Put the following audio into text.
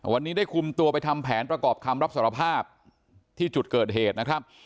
วันนี้ได้คุมตัวไปทำแผนประกอบคำรับสารภาพที่จุดเกิดเหตุนะครับ